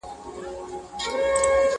د ګودرونو مازیګر به وو له پېغلو ښکلی٫